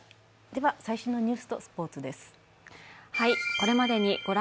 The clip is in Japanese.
では最新のニュースとスポーツです。